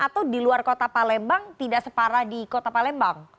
atau di luar kota palembang tidak separah di kota palembang